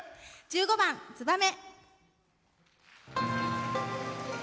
１５番「ツバメ」。